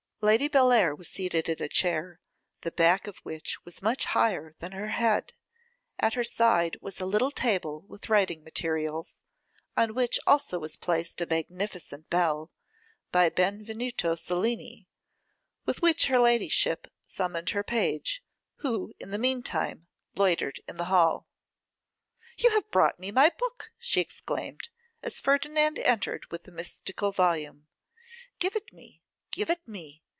Lady Bellair was seated in a chair, the back of which was much higher than her head; at her side was a little table with writing materials, on which also was placed a magnificent bell, by Benvenuto Cellini, with which her ladyship summoned her page, who, in the meantime, loitered in the hall. 'You have brought me my book!' she exclaimed, as Ferdinand entered with the mystical volume. 'Give it me, give it me.